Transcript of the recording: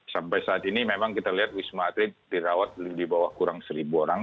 sampai saat ini memang kita lihat wisma atlet dirawat di bawah kurang seribu orang